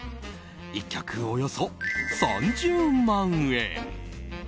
１脚およそ３０万円。